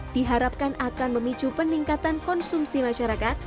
diharapkan akan memicu peningkatan konsumsi masyarakat